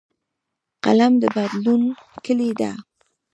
قلم د بدلون کلۍ ده